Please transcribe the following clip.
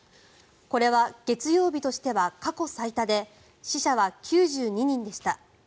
これは月曜日としては過去最多で死者は９２人でした。